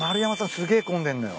すげえ混んでんのよ。